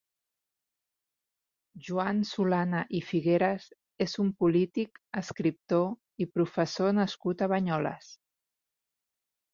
Joan Solana i Figueras és un polític, escriptor i professor nascut a Banyoles.